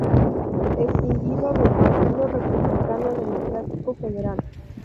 Escindido del Partido Republicano Democrático Federal.